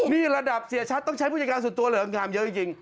นี่ระดับเสียชัดต้องใช้ผู้จัดการส่วนตัวเหรองามเยอะจริง